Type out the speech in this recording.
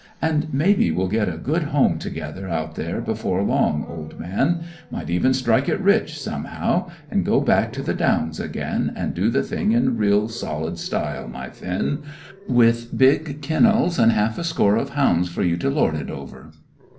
And maybe we'll get a good home together out there before long, old man; might even strike it rich, somehow, and go back to the Downs again, and do the thing in real solid style, my Finn, with big kennels and half a score of hounds for you to lord it over!"